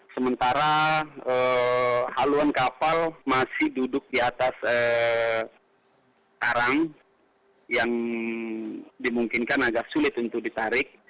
sementara haluan kapal masih duduk di atas karang yang dimungkinkan agak sulit untuk ditarik